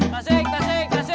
kasik kasik kasik